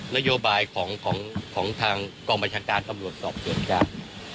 นโยบายของทางกองบัญชาการตำรวจสอบส่วนกลาง